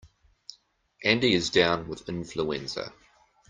Andy is down with influenza.